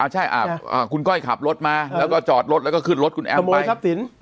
ใช่คุณก้อยขับรถมาแล้วก็จอดรถแล้วก็ขึ้นรถคุณแอมไปทรัพย์สิน